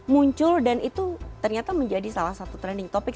muncul dan itu ternyata menjadi salah satu trending topic